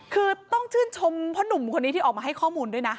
คือต้องชื่นชมพ่อหนุ่มคนนี้ที่ออกมาให้ข้อมูลด้วยนะ